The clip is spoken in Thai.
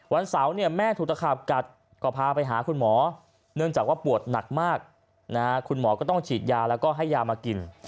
วันเสาร์เนี่ยแม่ถูกตะขาบกัดก็พาไปหาคุณหมอเนื่องจากว่าปวดหนักมากคุณหมอก็ต้องฉีดยาแล้วก็ให้ยามากิน